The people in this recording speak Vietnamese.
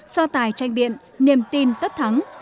so tài tranh biện niềm tin tất thắng